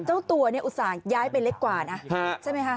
เจ้าตัวเนี่ยอุตส่าห์ย้ายไปเล็กกว่านะใช่ไหมคะ